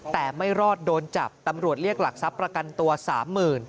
แต่ไม่รอดโดนจับตำรวจเรียกหลักทรัพย์ประกันตัว๓๐๐๐บาท